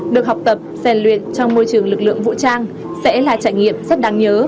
được học tập rèn luyện trong môi trường lực lượng vũ trang sẽ là trải nghiệm rất đáng nhớ